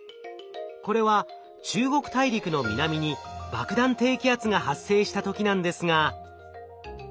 これは中国大陸の南に爆弾低気圧が発生した時なんですが。